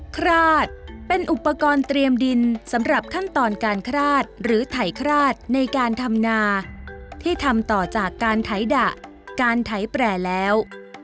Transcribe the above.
คราดเป็นอุปกรณ์เตรียมดินสำหรับขั้นตอนการคราดหรือไถคราดในการทำนาที่ทำต่อจากการไถดะการไถแปรแล้ว